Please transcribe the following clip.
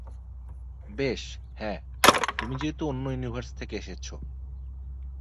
বেশ, হ্যাঁ, তুমি যেহেতু অন্য ইউনিভার্স থেকে এসেছো।